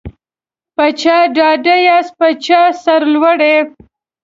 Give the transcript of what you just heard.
په چا ډاډه یاست په چا سرلوړي